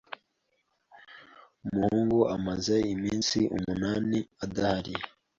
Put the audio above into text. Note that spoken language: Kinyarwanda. Umuhungu amaze iminsi umunani adahari.